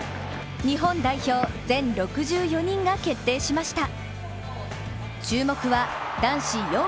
日本代表、全６４人が決定しました。